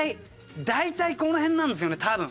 大体この辺なんですよね多分。